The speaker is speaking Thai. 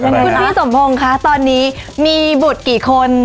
คุณพี่สมพงศ์คะตอนนี้มีบุตรกี่คน